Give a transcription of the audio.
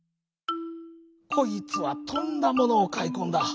「こいつはとんだものをかいこんだ。